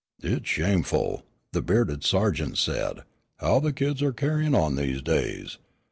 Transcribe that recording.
"It's shameful," the bearded sergeant said, "how the kids are carryin' on these days.